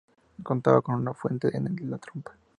Contaba con una fuente en la trompa.